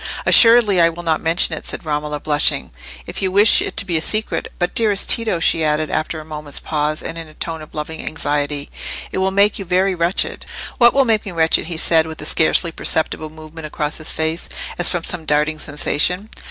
"Assuredly I will not mention it," said Romola, blushing, "if you wish it to be a secret. But, dearest Tito," she added, after a moment's pause, in a tone of loving anxiety, "it will make you very wretched." "What will make me wretched?" he said, with a scarcely perceptible movement across his face, as from some darting sensation.